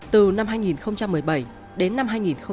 từ năm hai nghìn một mươi bảy đến năm hai nghìn hai mươi ba